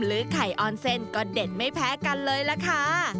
ไข่ออนเซนก็เด็ดไม่แพ้กันเลยล่ะค่ะ